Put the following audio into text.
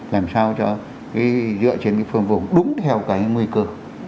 làm sao cho dựa trên cái phương vùng đúng theo cái nguy cơ